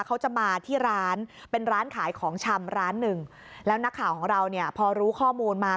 เขาจะมาที่ร้านเป็นร้านขายของชำร้านหนึ่งแล้วนักข่าวของเราเนี่ยพอรู้ข้อมูลมา